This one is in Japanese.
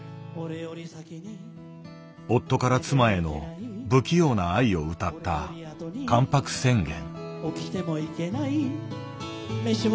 夫から妻への不器用な愛を歌った「関白宣言」。